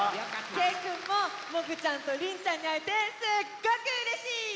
けいくんももぐちゃんとりんちゃんにあえてすっごくうれしい！